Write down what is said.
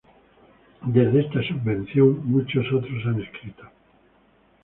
Desde esta subvención, muchos otros han escrito.